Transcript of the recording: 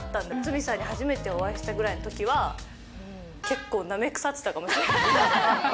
鷲見さんに初めてお会いしたぐらいのときは、結構、なめ腐ってたかもしれない。